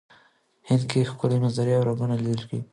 هند کې ښکلې منظرې او رنګونه یې لیدلي.